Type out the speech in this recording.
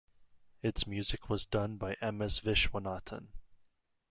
Its music was done by M. S. Viswanathan.